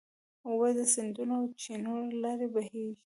اوبه د سیندونو او چینو له لارې بهېږي.